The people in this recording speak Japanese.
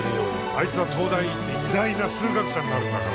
あいつは東大行って偉大な数学者になるんだから